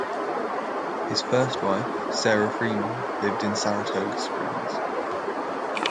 His first wife, Sarah Freeman, lived in Saratoga Springs.